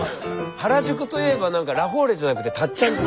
原宿といえば何かラフォーレじゃなくて辰ちゃん漬け。